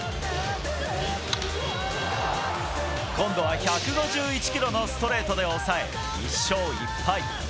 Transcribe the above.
今度は１５１キロのストレートで抑え、１勝１敗。